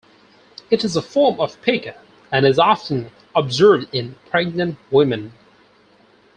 It is a form of pica and is often observed in pregnant women.